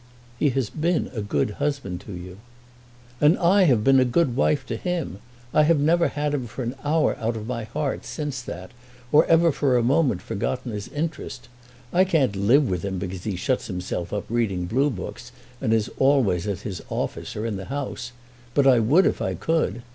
"He has been a good husband to you." "And I have been a good wife to him! I have never had him for an hour out of my heart since that, or ever for a moment forgotten his interest. I can't live with him because he shuts himself up reading blue books, and is always at his office or in the House; but I would if I could.